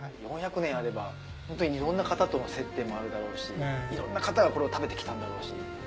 ４００年あればホントにいろんな方との接点もあるだろうしいろんな方がこれを食べてきたんだろうし。